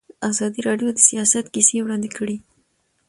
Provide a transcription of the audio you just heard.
ازادي راډیو د سیاست کیسې وړاندې کړي.